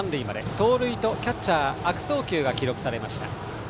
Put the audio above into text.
盗塁と、キャッチャー悪送球が記録されました。